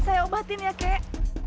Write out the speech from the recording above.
nah saya tutup lukanya ya kek